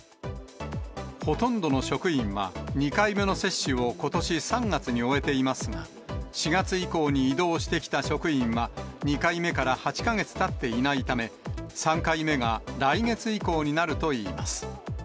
ほとんどの職員は、２回目の接種をことし３月に終えていますが、４月以降に異動してきた職員は、２回目から８か月たっていないため、３回目が来月以降になるといいます。